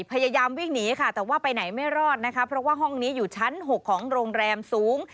พยายามวิ่งหนีค่ะแต่ว่าไปไหนไม่รอดนะคะเพราะว่าห้องนี้อยู่ชั้น๖ของโรงแรมสูง